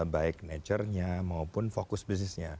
baik nature nya maupun fokus bisnisnya